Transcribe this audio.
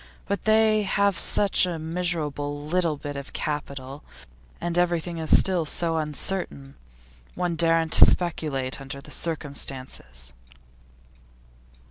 But they have such a miserable little bit of capital, and everything is still so uncertain. One daren't speculate under the circumstances.